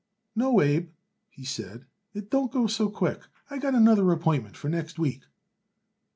"No, Abe," he said, "it don't go so quick. I got another appointment for next week."